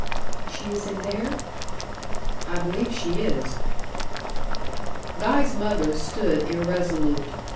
"She is in there?" "I believe she is." Guy's mother stood irresolute.